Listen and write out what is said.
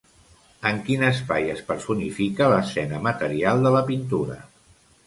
En quin espai es personifica l'escena material de la pintura?